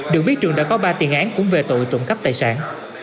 được biết trường đã có ba tiền án cũng về tội trộm cắp tài sản